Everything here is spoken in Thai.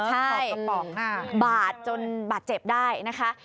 ใช่บาดจนบาดเจ็บได้นะคะ